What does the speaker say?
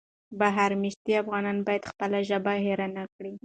بهر مېشتي افغانان باید خپله ژبه هېره نه کړي.